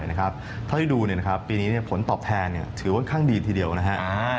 ถ้าเราดูปีนี้ผลตอบแทนถือว่าค่อนข้างดีทีเดียวนะครับ